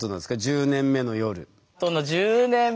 「１０年目の夜」。